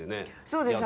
そうです。